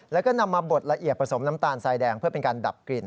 แล้วก็นำมาบดละเอียดผสมน้ำตาลทรายแดงเพื่อเป็นการดับกลิ่น